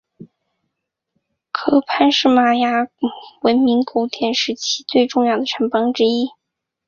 科潘是玛雅文明古典时期最重要的城邦之一。